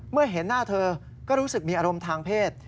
เห็นหน้าเธอก็รู้สึกมีอารมณ์ทางเพศ